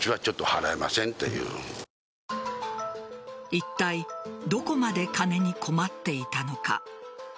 いったい、どこまで金に困っていたのか。